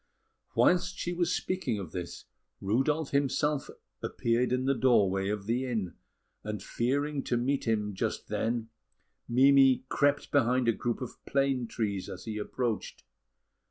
Whilst she was still speaking of this, Rudolf himself appeared in the doorway of the inn; and, fearing to meet him just then, Mimi crept behind a group of plane trees as he approached.